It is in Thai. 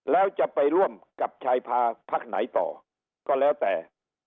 แล้วจะไปร่วมกับชายพาพักไหนต่อก็แล้วแต่